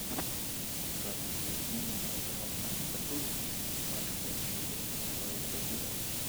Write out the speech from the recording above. Drummer Keith Moon of the rock band The Who died of a clomethiazole overdose.